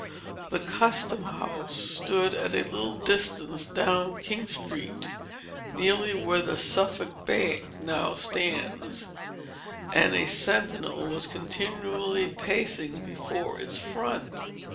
The custom house stood at a little distance down King Street, nearly where the Suffolk bank now stands; and a sentinel was continually pacing before its front."